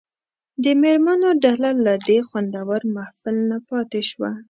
د مېرمنو ډله له دې خوندور محفل نه پاتې شوه.